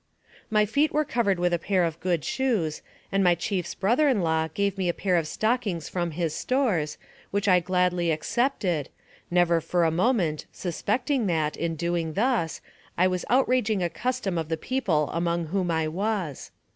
My feet were covered with a pair of good shoes, and the chiefs brother in law gave me a pair of stockings from his stores, which I gladly accepted, never, for a moment, suspecting that, in doing thus, I was outrag ing a custom of the people among whom I was.